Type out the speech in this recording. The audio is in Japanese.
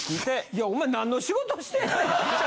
いやお前なんの仕事してんねん！